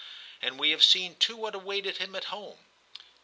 And we have seen too what awaited him at home.